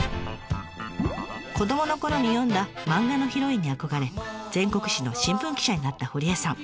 子どものころに読んだ漫画のヒロインに憧れ全国紙の新聞記者になった堀江さん。